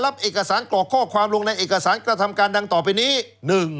รับเอกสารกรอกข้อความลงในเอกสารกระทำการดังต่อไปนี้